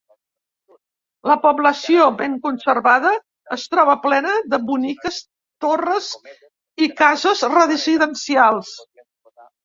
La població, ben conservada, es troba plena de boniques torres i cases residencials.